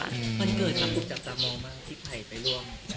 มันเกิดทั้งคู่จากสามองบ้างที่ไผ่ไปร่วม